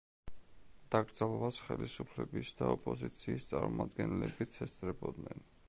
დაკრძალვას ხელისუფლების და ოპოზიციის წარმომადგენლებიც ესწრებოდნენ.